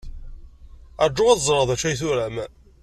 Ṛju ad ẓreɣ d acu ay turam.